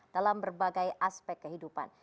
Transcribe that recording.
dalam berbagai aspek kehidupan